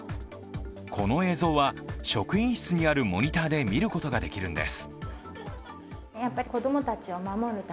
この映像は、職員室にあるモニターで見ることができるんです。